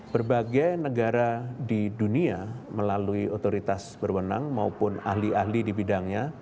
berbagai negara di dunia melalui otoritas berwenang maupun ahli ahli di bidangnya